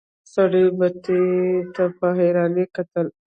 سړي بتۍ ته په حيرانی کتل.